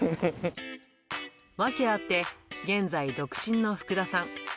訳あって、現在独身の福田さん。